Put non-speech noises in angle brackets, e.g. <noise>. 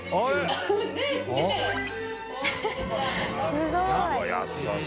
すごい <laughs>